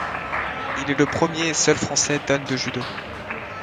Il est le premier et seul français dan de judo.